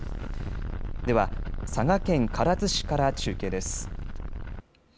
では、佐賀県唐津市から中継です。